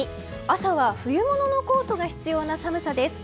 朝は冬物のコートが必要な寒さです。